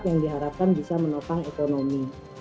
yang diharapkan bisa menopang ekonomi